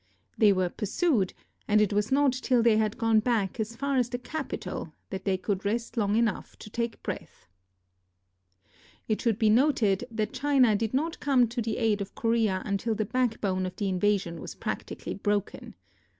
They were pursued, and it was not till they had gone back as far as the capital that they could rest long enough to take breath. It should be 270 WHEN HIDEYOSHI INVADED KOREA noted that China did not come to the aid of Korea until the backbone of the invasion was practically broken.